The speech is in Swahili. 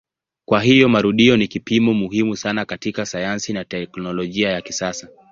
Kwa hiyo marudio ni kipimo muhimu sana katika sayansi na teknolojia ya kisasa.